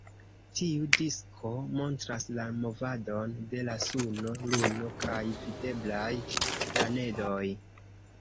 Tiu disko montras la movadon de la suno, luno kaj videblaj planedoj.